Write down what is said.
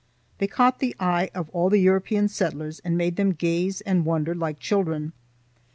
They caught the eye of all the European settlers and made them gaze and wonder like children.